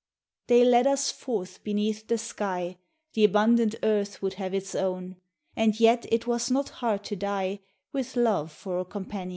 They led us forth beneath the sky, The abundant earth would have its own, And yet it was not hard to die With love for a companion.